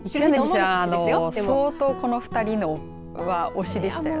相当、この２人は推しでしたね。